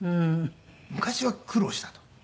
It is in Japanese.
昔は苦労したと。